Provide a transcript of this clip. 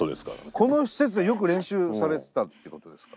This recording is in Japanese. この施設でよく練習されてたっていうことですか？